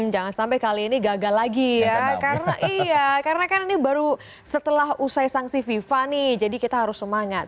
jangan sampai kali ini gagal lagi ya karena iya karena kan ini baru setelah usai sanksi fifa nih jadi kita harus semangat